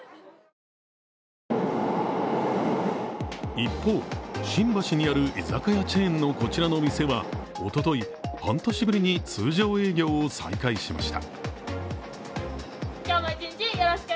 一方、新橋にある居酒屋チェーンのこちらの店はおととい半年ぶりに通常営業を再開しました。